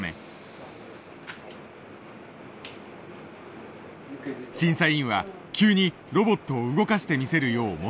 審査委員は急にロボットを動かしてみせるよう求めた。